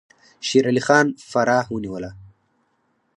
شیر علي خان فراه ونیوله.